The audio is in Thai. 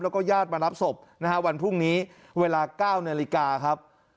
แล้วก็ญาติมารับศพนะฮะวันพรุ่งนี้เวลา๙นาฬิกาครับ